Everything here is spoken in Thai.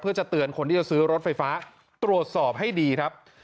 เพื่อจะเตือนคนที่จะซื้อรถไฟฟ้าตรวจสอบให้ดีครับ